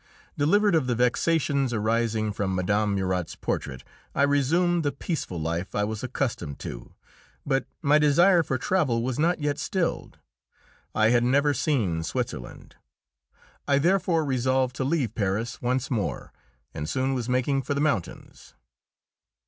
Delivered of the vexations arising from Mme. Murat's portrait, I resumed the peaceful life I was accustomed to, but my desire for travel was not yet stilled: I had never seen Switzerland. I therefore resolved to leave Paris once more, and soon was making for the mountains.